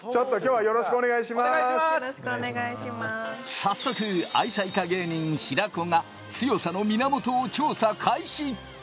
早速、愛妻家芸人・平子が強さの源を調査開始。